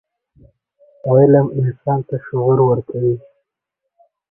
علم انسان ته شعور ورکوي.